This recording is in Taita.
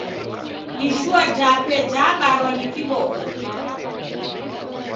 Ishua jape jebarwa ni kiboko.